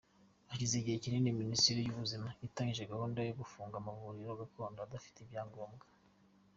Hashize igihe kinini Minisiteri y’Ubuzima itangije gahunda yo gufunga amavuriro gakondo adafite ibyangombwa.